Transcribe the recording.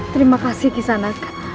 terima kasih kisanat